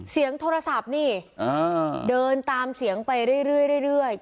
เสียงโทรศัพท์นี่เดินตามเสียงไปเรื่อย